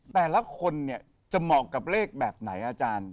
เป็นแล้วคนนี้จะเหมาะกับเลขแบบไหนอาจารย์